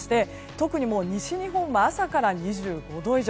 特に西日本は朝から２５度以上。